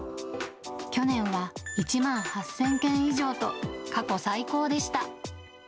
去年は１万８０００件以上と、過去最高でした。